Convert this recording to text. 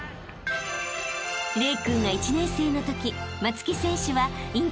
［玲君が１年生のとき］